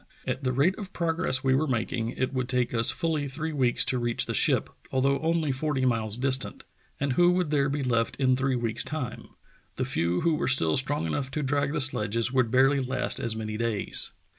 At the rate of progress we were making, it would take us fully three weeks to reach the ship, although only forty miles distant; and who would there be left in three v.eeks' time.'' The few who were still strong enough to drag the sledges would barely last as many days!"